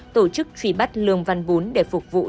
tổ chức truy bắt lương văn bốn để phục vụ